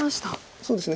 そうですね。